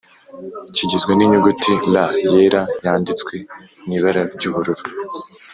kigizwe n'inyuguti L yera yánditswe mw’ibara ry'ubururu